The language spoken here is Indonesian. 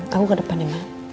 tau ke depan deh ma